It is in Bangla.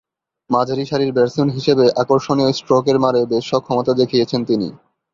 মাঝারিসারির ব্যাটসম্যান হিসেবে আকর্ষণীয় স্ট্রোকের মারে বেশ সক্ষমতা দেখিয়েছেন তিনি।